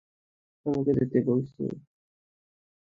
আমাকে যেতে বলছ?